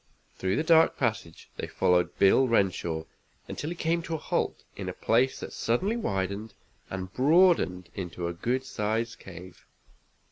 Through the dark passage they followed Bill Renshaw until he came to a halt in a place that suddenly widened and broadened into a good sized cave.